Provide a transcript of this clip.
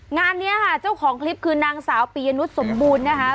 งานนี้ค่ะเจ้าของคลิปคือนางสาวปียนุษยสมบูรณ์นะคะ